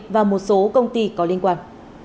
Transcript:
và một số công ty có liên quan